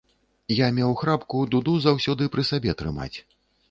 Я меў храпку дуду заўсёды пры сабе трымаць.